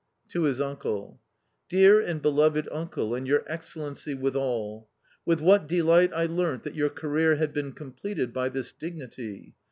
" To his uncle : <l Dear and beloved uncle, and your Excellency withal !" With what delight I learnt that your career had been completed by this dignity